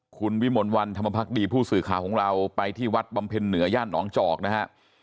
คุณวิมลวันธรรมพักดีผู้สื่อข่าวของเราไปที่วัดบำเพ็ญเหนือย่านหนองจอกนะฮะ